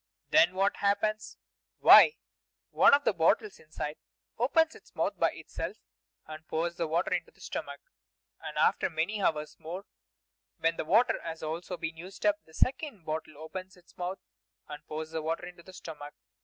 Then what happens? Why, one of the bottles inside opens its mouth by itself, and pours the water into the stomach! And after many hours more, when that water has also been used up, the second bottle opens its mouth and pours the water into the stomach.